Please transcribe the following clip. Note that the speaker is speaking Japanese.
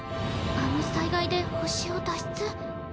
あの災害で星を脱出。